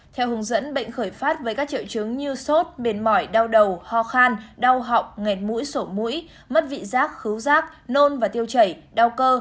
theo hướng dẫn bệnh khởi phát với các triệu chứng như sốt mệt mỏi đau đầu ho khan đau họng nghẹt mũi sổ mũi mất vị giác khứu rác nôn và tiêu chảy đau cơ